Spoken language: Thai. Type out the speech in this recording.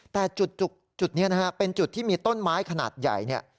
แต่จุดนี้นะครับเป็นจุดที่มีต้นไม้ขนาดใหญ่